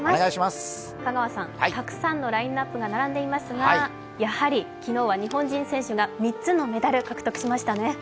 香川さん、たくさんのラインナップが並んでいますが、やはり昨日は日本人選手が３つのメダルを獲得しましたね。